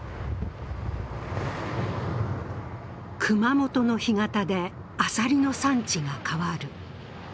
熊本の干潟でアサリの産地が変わる。